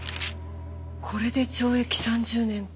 これで懲役３０年か。